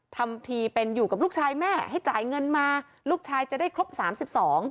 ทำทีเป็นอยู่กับลูกชายแม่ให้จ่ายเงินมาลูกชายจะได้ครบสามสิบสอง